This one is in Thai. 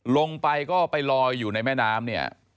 ลงไปก็ไปลอยอยู่ในแม่น้ำเนี่ย